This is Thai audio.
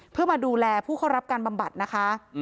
เพื่อมาดูแลผู้เข้ารับการบำบัดนะคะ